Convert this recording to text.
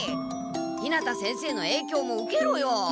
日向先生のえいきょうも受けろよ！